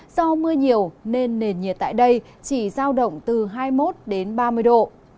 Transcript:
do mưa nhiều nên nền nhiệt tại đây chỉ giao động từ hai mươi một đến ba mươi độ